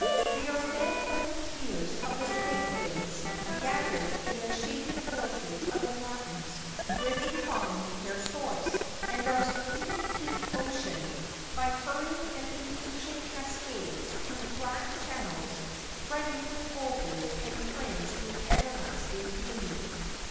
They are fed by the tears of the trade winds gathered in the shaded gorges of the mountains where they find their source, and are speeded to the ocean by hurrying and impatient cascades through black channels fretted with bowlders and fringed with everlasting green.